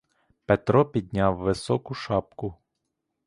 Петро підняв високу шапку.